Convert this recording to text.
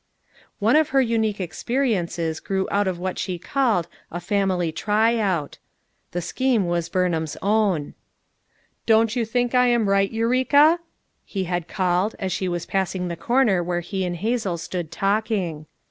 One of her unique experiences grew out of what she called a "family try out." The scheme was Burnham's own. "Don't you think I am right, Eureka?" he had called, as she was passing the corner where he and Hazel stood talking.